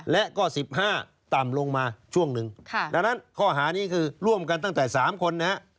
และก็๑๕ต่ำลงมาช่วงหนึ่งดังนั้นข้อหานี้คือร่วมกันตั้งแต่๓คนนะฮะ